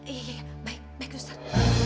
iya iya baik suster